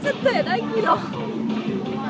ตรงตรงตรงตรงตรง